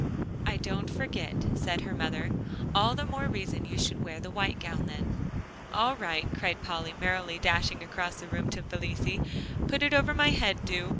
"I don't forget," said her mother; "all the more reason you should wear the white gown, then." "All right," cried Polly, merrily dashing across the room to Felicie, "put it over my head, do.